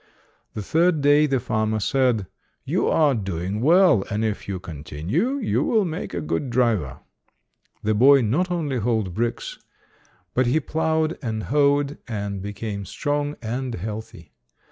The third day, the farmer said, "You are doing well, and if you continue, you will make a good driver". The boy not only hauled bricks, but he 274 ] UNSUNG HEEOES plowed and hoed and became strong and healthy.